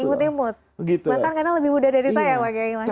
makanya lebih muda dari saya